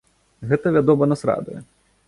Гэта, вядома, нас радуе.